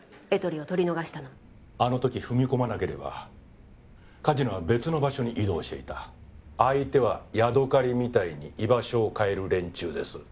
エトリを取り逃したのもあの時踏み込まなければカジノは別の場所に移動していた相手はヤドカリみたいに居場所を変える連中です